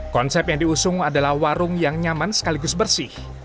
konsep yang diusung adalah warung yang nyaman sekaligus bersih